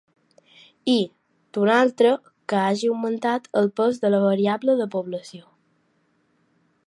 I, d’una altra, que hagi augmentat el pes de la variable de població.